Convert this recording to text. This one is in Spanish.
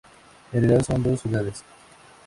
En realidad, son dos ciudades.